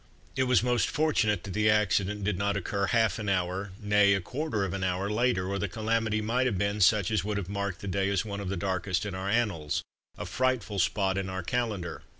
It was most fortunate that the accident did not occur half an hour nay, a quarter of an hour later, or the calamity might have been such as would have marked the day as one of the darkest in our annals a frightful spot in our calendar.